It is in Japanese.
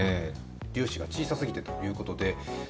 粒子が小さすぎてということで。